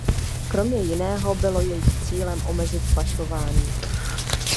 Kromě jiného bylo jejich cílem omezit pašování.